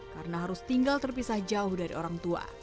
karena harus tinggal terpisah jauh dari orang tua